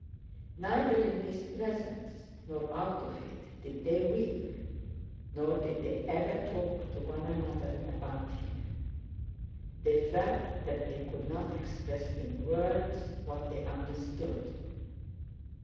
Neither in his presence nor out of it did they weep, nor did they ever talk to one another about him. They felt that they could not express in words what they understood.